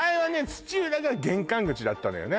土浦が玄関口だったのよね